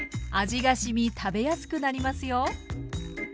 味がしみ食べやすくなりますよ。